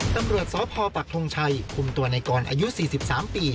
ตำรวจสพปักทงชัยคุมตัวในกรอายุสี่สิบสามปี